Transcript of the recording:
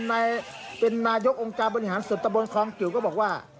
นายเป็นนายกองค์การบริหารส่วนตะบนคลองจิ๋วก็บอกว่า